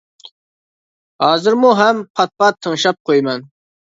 ھازىرمۇ ھەم پات پات تىڭشاپ قويىمەن.